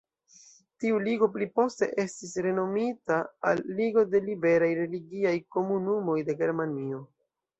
Tiu ligo pli poste estis renomita al "Ligo de Liberaj Religiaj Komunumoj de Germanio".